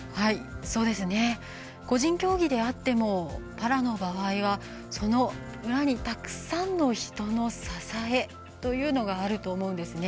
個人競技であってもパラの場合は、その裏にたくさんの人の支えというのがあると思うんですね。